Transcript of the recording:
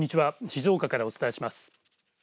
静岡からお伝えします。